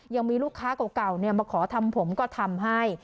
ยังมีลูกค้าเก่ามาขอทำผมก็ทำให้